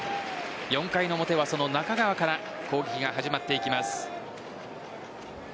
４回の表はその中川から攻撃が始まっていきます。